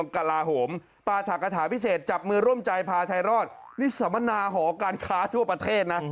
ใจหายกับทั้งงาน